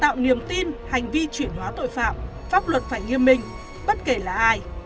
tạo niềm tin hành vi chuyển hóa tội phạm pháp luật phải nghiêm minh bất kể là ai